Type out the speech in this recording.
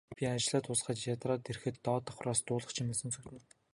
Би ажлаа дуусгаад ядраад ирэхэд доод давхраас дуулах чимээ сонсогдоно.